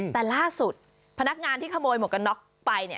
แต่ล่าสุดพนักงานที่ขโมยหมวกกันน็อกไปเนี่ย